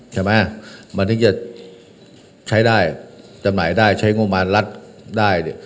อย่างเนี่ยมันจะใช้ได้จำหน่ายได้ใช้โงงมารรัตได้